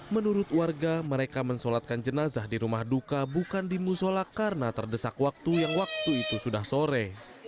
menurut warga mereka mensolatkan jenazah di rumah duka bukan di musola karena terdesak waktu yang waktu itu sudah sore